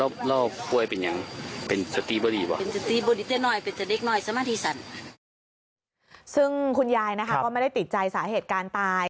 แบบนี้คุณยายไม่ได้ติดใจสาเหตุการณ์ตาย